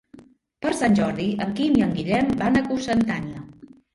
Per Sant Jordi en Quim i en Guillem van a Cocentaina.